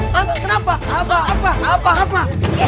hah kenapa apa apa apa apa